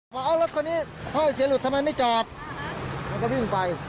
ว่าเอารถคนนี้พ่อเสียหลุดทำไมไม่จอดแล้วก็วิ่งไป